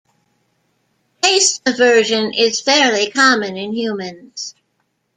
Taste aversion is fairly common in humans.